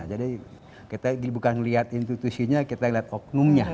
jadi kita bukan lihat institusinya kita lihat oknumnya